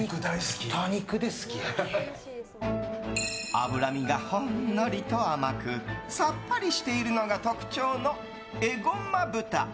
脂身がほんのりと甘くさっぱりしているのが特徴のエゴマ豚。